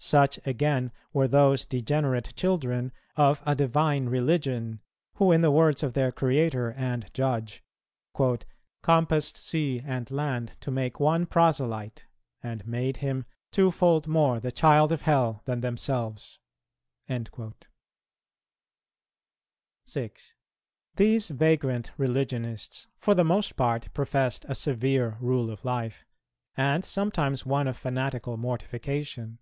Such, again, were those degenerate children of a divine religion, who, in the words of their Creator and Judge, "compassed sea and land to make one proselyte," and made him "twofold more the child of hell than themselves." 6. These vagrant religionists for the most part professed a severe rule of life, and sometimes one of fanatical mortification.